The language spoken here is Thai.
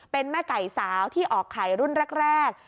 เป็นแม่ไก่สาวที่ออกไข่รุ่นแรก